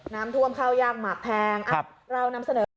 น้ำท่วมข้าวยากหมากแพงเรานำเสนอ